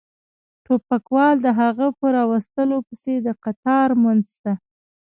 ټوپکوال د هغه په را وستلو پسې د قطار منځ ته.